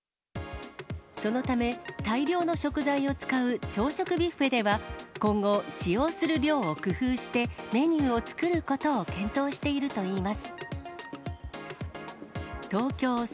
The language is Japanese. そのため、大量の食材を使う朝食ビュッフェでは、今後、使用する量を工夫して、メニューを作ることを検討しているといいます。